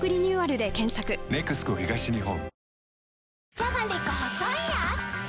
じゃがりこ細いやーつ